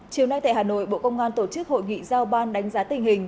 chiều nay tại hà nội bộ công an tổ chức hội nghị giao ban đánh giá tình hình